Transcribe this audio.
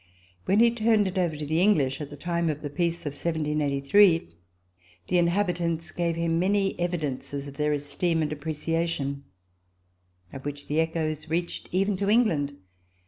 When he turned it over to the English, at the time of the peace of 1783, the in habitants gave him many evidences of their esteem and appreciation, of which the echoes reached even to England.